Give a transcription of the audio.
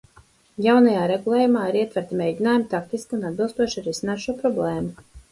Jaunajā regulējumā ir ietverti mēģinājumi taktiski un atbilstoši risināt šo problēmu.